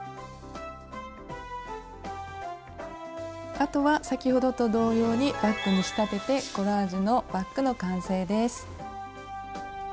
あとは先ほどと同様にバッグに仕立ててコラージュのバッグの完成です。